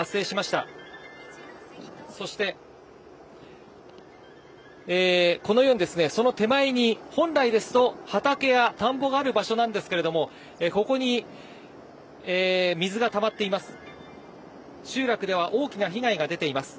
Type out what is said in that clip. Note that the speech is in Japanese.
そして、このようにその手前に本来ですと、畑や田んぼがある場所なんですけれども、ここに水がたまっています。